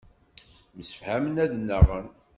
Msefhamen ad nnaɣen.